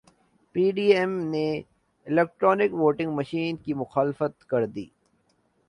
پی D M نے electronic voting machine کی مخالفت کردی